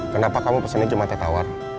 kenapa kamu pesennya cuma teh tawar